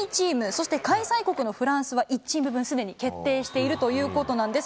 そして開催国のフランスは、１チーム分、すでに決定しているということなんです。